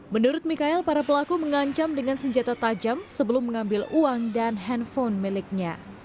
menurut mikael para pelaku mengancam dengan senjata tajam sebelum mengambil uang dan handphone miliknya